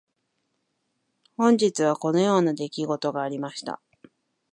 本日はこのような出来事がありました。